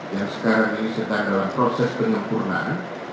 yang sekarang ini sedang dalam proses penyempurnaan